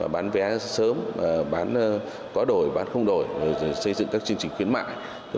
bán vé sớm bán có đổi bán không đổi xây dựng các chương trình khuyến mại